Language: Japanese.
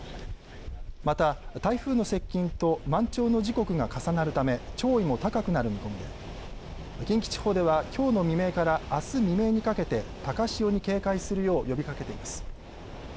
また、台風の接近と満潮の時刻が重なるため潮位も高くなる見込みで近畿地方ではきょうの未明からあす未明にかけて高潮に警戒するよう呼びかけています。